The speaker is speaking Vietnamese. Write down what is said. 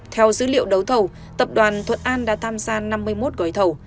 theo dữ liệu đấu thầu tập đoàn thuận an đã tham gia năm mươi một gói thầu